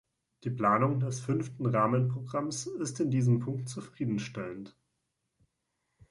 Die Planung des Fünften Rahmenprogramms ist in diesem Punkt zufriedenstellend.